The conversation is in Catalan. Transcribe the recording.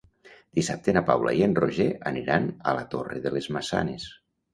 Dissabte na Paula i en Roger aniran a la Torre de les Maçanes.